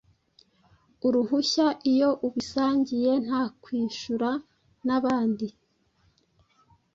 Uruhushya iyo ubisangiye nta kwishura nabandi